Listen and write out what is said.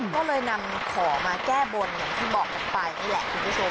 ก็เลยนำของมาแก้บนอย่างที่บอกกันไปนี่แหละคุณผู้ชม